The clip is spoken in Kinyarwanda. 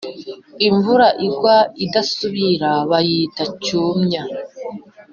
Imvura igwa idasubira ,bayita cyumya